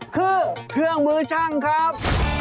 คือเครื่องมือช่างครับ